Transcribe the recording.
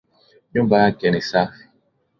Nyumba yake ni safi